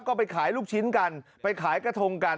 ก็ไปขายลูกชิ้นกันไปขายกระทงกัน